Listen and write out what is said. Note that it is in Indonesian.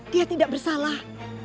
dia tidak bersalah